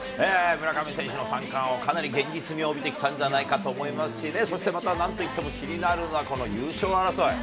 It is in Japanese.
村上選手の三冠王、かなり現実味をおびてきたんじゃないかと思いますしね、そしてまたなんといっても、気になるのはこの優勝争い。